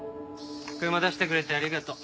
車出してくれてありがとう。